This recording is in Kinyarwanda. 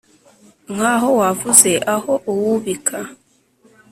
Nk ' aho wabuze aho uwubika